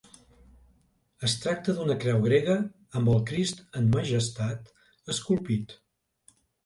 Es tracta d'una creu grega amb el Crist en Majestat esculpit.